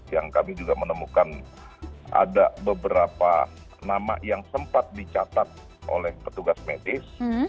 yang kami juga menemukan ada beberapa nama yang sempat dicatat oleh petugas medis